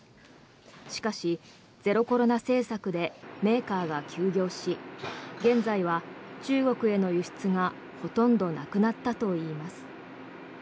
しかし、ゼロコロナ政策でメーカーが休業し現在は中国への輸出がほとんどなくなったといいます。